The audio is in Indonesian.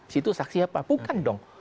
situ saksi apa bukan dong